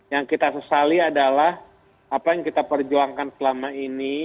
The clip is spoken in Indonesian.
yang kita sesali adalah apa yang kita perjuangkan selama ini